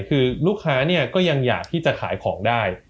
คือลูกค้าเนี่ยก็ยังอยากที่จะขายของได้